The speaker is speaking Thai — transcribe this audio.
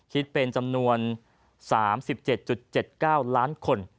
คิดเป็นจำนวน๓๗๗๙ล้านคน